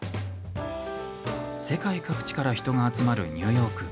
世界各地から人が集まるニューヨーク。